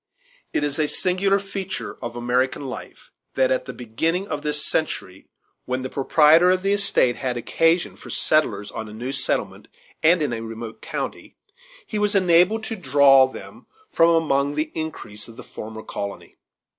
It is a singular feature in American life that at the beginning of this century, when the proprietor of the estate had occasion for settlers on a new settlement and in a remote county, he was enabled to draw them from among the increase of the former colony.